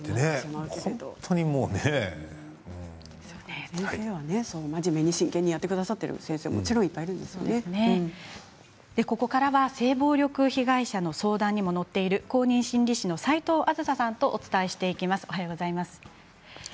真剣に真面目にやってくださっている先生も性暴力被害者の相談にも乗っている、公認心理師の齋藤梓さんとお伝えしていきます。